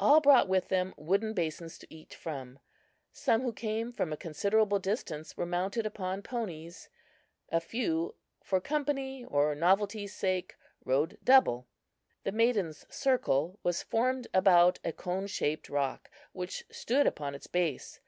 All brought with them wooden basins to eat from. Some who came from a considerable distance were mounted upon ponies; a few, for company or novelty's sake, rode double. The maidens' circle was formed about a coneshaped rock which stood upon its base.